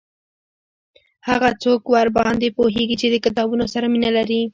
هغه څوک ورباندي پوهیږي چې د کتابونو سره مینه لري